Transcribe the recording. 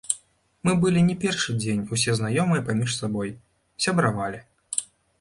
Мы былі не першы дзень усе знаёмыя паміж сабой, сябравалі.